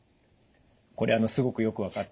これすごくよく分かって。